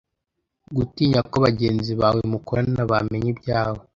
Gutinya ko bagenzi bawe mukorana bamenya ibyawe